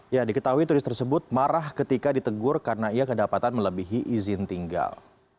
ya diketahui turis tersebut marah ketika ditegur karena ia kedapatan melebihi izin tinggal